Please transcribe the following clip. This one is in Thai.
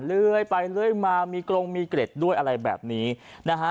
เลื่อยไปเลื่อยมามีกรงมีเกร็ดด้วยอะไรแบบนี้นะฮะ